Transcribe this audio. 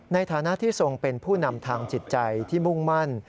ในฐานะที่ทรงเป็นผู้นำทางจิตใจที่มุ่งมั่น